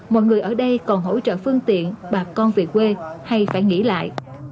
mọi người ở đây còn hỗ trợ phương tiện bà con về quê hay phải nghỉ lại